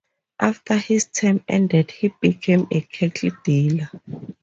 After his term ended, he became a cattle dealer.